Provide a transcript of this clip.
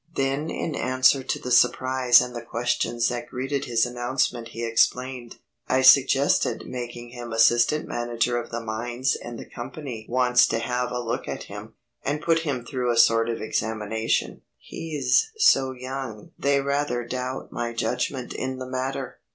Then in answer to the surprise and the questions that greeted his announcement he explained, "I suggested making him assistant manager of the mines and the Company wants to have a look at him, and put him through a sort of examination. He's so young they rather doubt my judgment in the matter.